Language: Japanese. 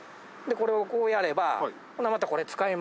これをこうやればほな。